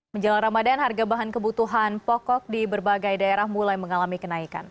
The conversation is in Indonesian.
menjelang ramadan harga bahan kebutuhan pokok di berbagai daerah mulai mengalami kenaikan